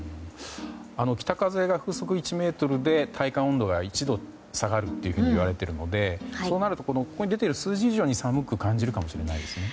北風が風速１メートルで体感温度が１度下がるといわれているのでそうなるとここに出ている数字以上に寒く感じるかもしれないですね。